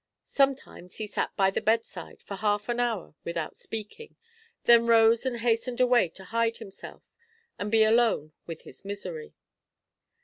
Sometimes he sat by the bedside for half an hour without speaking, then rose and hastened away to hide himself and be alone with his misery.